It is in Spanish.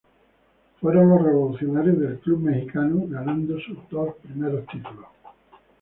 Fueron los revolucionarios del club mexicano ganando sus dos primeros títulos.